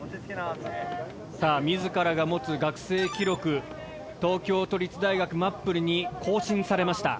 さあ自らが持つ学生記録東京都立大学ＭａＰＰＬに更新されました。